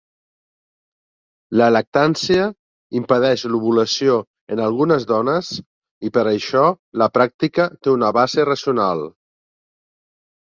La lactància impedeix l"ovulació en algunes dones i per això la pràctica té una base racional.